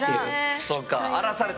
そうか。